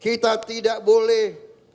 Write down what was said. kita tidak boleh